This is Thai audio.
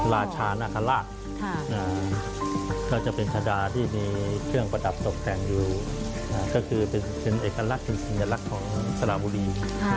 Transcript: ราชานาคาราชก็จะเป็นชาดาที่มีเครื่องประดับตกแต่งอยู่ก็คือเป็นเอกลักษณ์เป็นสัญลักษณ์ของสระบุรี